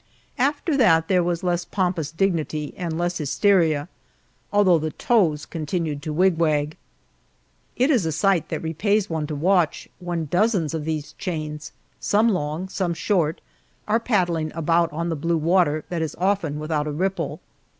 After that there was less pompous dignity and less hysteria, although the toes continued to wigwag. It is a sight that repays one to watch, when dozens of these chains some long, some short are paddling about on the blue water that is often without a ripple.